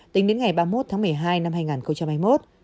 tính đến ngày ba mươi một tháng một mươi hai năm hai nghìn hai mươi một